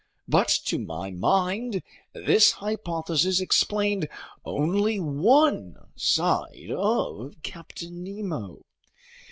But to my mind, this hypothesis explained only one side of Captain Nemo.